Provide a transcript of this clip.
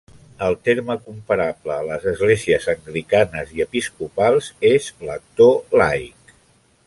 El terme comparable a les esglésies anglicanes i episcopals és "lector laic".